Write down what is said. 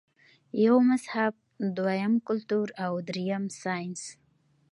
يو مذهب ، دويم کلتور او دريم سائنس -